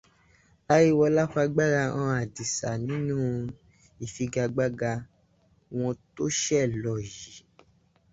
Láíwọlá fagbára hàn Àdìsá nínú ìfigagbága wọn tó ṣè lọ yìí.